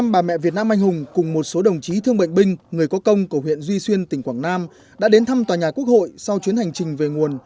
năm bà mẹ việt nam anh hùng cùng một số đồng chí thương bệnh binh người có công của huyện duy xuyên tỉnh quảng nam đã đến thăm tòa nhà quốc hội sau chuyến hành trình về nguồn